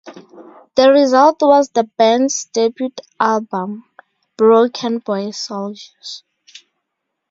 The result was the band's debut album, "Broken Boy Soldiers".